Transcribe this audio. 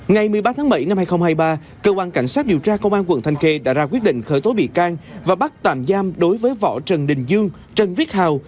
ngày một mươi ba tháng bảy năm hai nghìn hai mươi ba cơ quan cảnh sát điều tra công an quận thanh khê đã ra quyết định khởi tố bị can và bắt tạm giam đối với võ trần đình dương trần viết hào